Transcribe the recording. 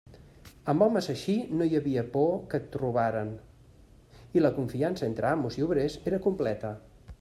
Amb homes així no hi havia por que et robaren, i la confiança entre amos i obrers era completa.